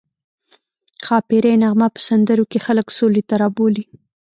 ښاپیرۍ نغمه په سندرو کې خلک سولې ته رابولي